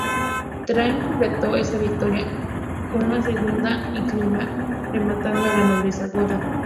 Táriq completó esta victoria con una segunda en Écija, rematando a la nobleza goda.